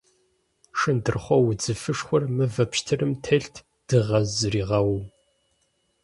Шындырхъуо удзыфэшхуэр мывэ пщтырым телът дыгъэ зыригъэууэ.